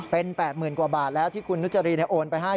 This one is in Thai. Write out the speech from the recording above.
เป็น๘๐๐๐กว่าบาทแล้วที่คุณนุจรีโอนไปให้